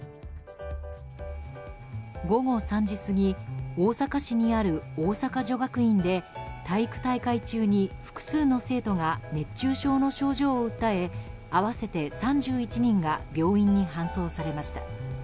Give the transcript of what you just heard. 午後３時過ぎ大阪市にある大阪女学院で体育大会中に複数の生徒が熱中症の症状を訴え合わせて３１人が病院に搬送されました。